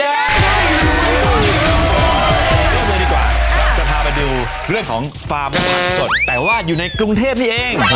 เริ่มเลยดีกว่าเราจะพาไปดูเรื่องของฟาร์มสดแต่ว่าอยู่ในกรุงเทพนี่เอง